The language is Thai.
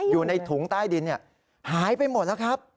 อยู่ในถุงใต้ดินหายไปหมดแล้วครับ